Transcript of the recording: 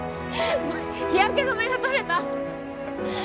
日焼け止めが取れた！